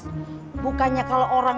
bukannya kalo orangnya gak tau gue gak tau juga